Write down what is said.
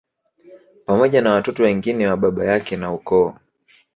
Pamoja na watoto wengine wa baba yake na ukoo